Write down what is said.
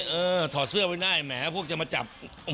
ถอดเสื้อไว้ได้แหมพวกจะมาจับ